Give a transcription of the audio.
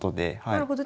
なるほど。